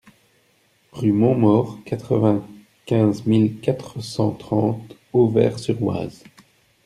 Rue Montmaur, quatre-vingt-quinze mille quatre cent trente Auvers-sur-Oise